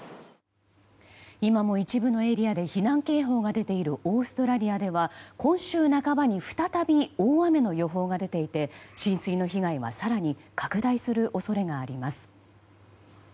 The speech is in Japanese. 今も一部のエリアで避難警報が出ているオーストラリアでは今週半ばに再び大雨の予報が出ていて浸水の被害は更に拡大する恐れがあります。